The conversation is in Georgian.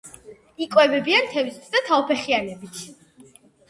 იკვებებიან თევზითა და თავფეხიანებით.